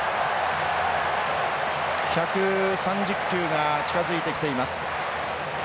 １３０球が近づいてきています。